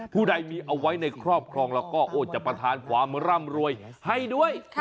ผู้ใดมีเอาไว้ในครอบครองแล้วก็จะประทานความร่ำรวยให้ด้วย